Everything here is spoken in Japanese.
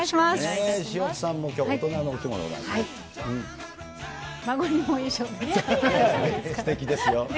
すてきですよ。